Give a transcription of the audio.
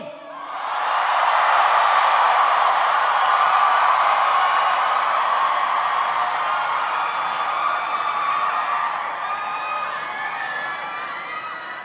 ที่ช่วยละครับ